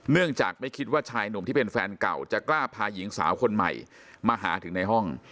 เนื่องจากไม่คิดว่าชายหนุ่มที่เป็นแฟนเก่าจะกล้าพาหญิงสาวคนใหม่มาหาถึงในห้อง